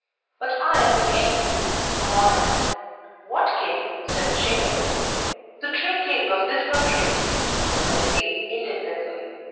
'But I am the king!' he cried. 'What king?' said the chamberlain. 'The true king of this country,' said he indignantly.